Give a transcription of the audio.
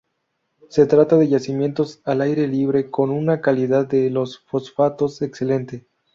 Se trata de yacimientos al aire libre con una calidad de los fosfatos excelente.